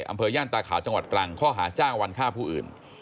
ย่านตาขาวจังหวัดตรังข้อหาจ้างวันฆ่าผู้อื่น